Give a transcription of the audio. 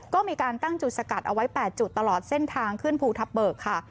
ก็มีการตั้งจุดสกัดเอาไว้๘จุดตลอดเส้นทางขึ้นภูทับเบิกค่ะ